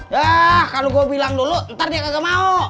yah kalau gua bilang dulu ntar dia kagak mau